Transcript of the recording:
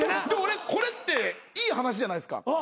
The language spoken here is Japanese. で俺これっていい話じゃないですか。